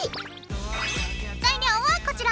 材料はこちら。